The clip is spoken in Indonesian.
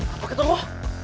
apa ketua lo